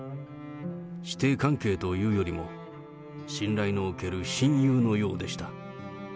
師弟関係というよりも、信頼のおける親友のようでした。